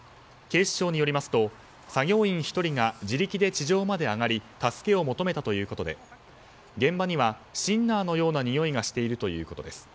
警視庁によりますと作業員１人が自力で地上まで上がり助けを求めたということで現場にはシンナーのようなにおいがしているということです。